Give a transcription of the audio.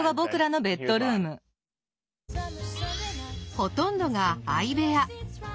ほとんどが相部屋。